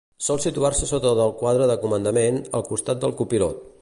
Sol situar-se sota del quadre de comandament, al costat del copilot.